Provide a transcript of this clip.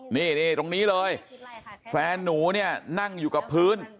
นี่ตรงนี้เลยแฟนหนูเนี่ยนั่งอยู่กับพื้น